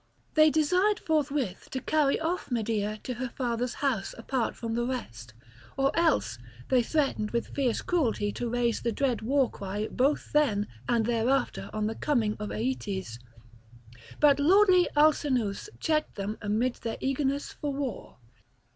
They desired forthwith to carry off Medea to her father's house apart from the rest, or else they threatened with fierce cruelty to raise the dread war cry both then and thereafter on the coming of Aeetes. But lordly Alcinous checked them amid their eagerness for war.